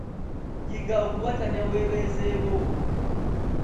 Yiga okuwatanya weebeezeewo.